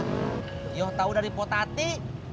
tio tau dari potati